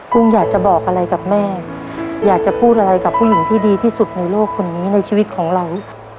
กุ้งอยากจะบอกอะไรกับแม่อยากจะพูดอะไรกับผู้หญิงที่ดีที่สุดในโลกคนนี้ในชีวิตของเรา